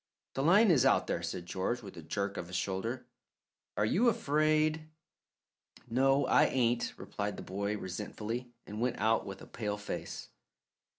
"The line is out there," said George, with a jerk of his shoulder. "Are you afraid?" "No, I ain't," replied the boy resentfully, and went out with a pale face.